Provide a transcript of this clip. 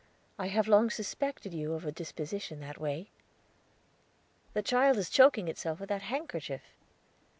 I have long suspected you of a disposition that way." "The child is choking itself with that handkerchief."